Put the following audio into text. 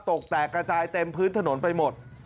แตกระจายเต็มพื้นถนนไปหมด